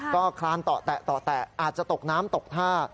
ก็คลานต่อแตะอาจจะตกน้ำตกท่า